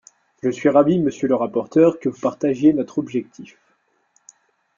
Je suis ravie, monsieur le rapporteur, que vous partagiez notre objectif.